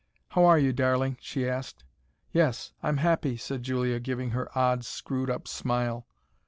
"How are you, darling?" she asked. "Yes I'm happy," said Julia, giving her odd, screwed up smile.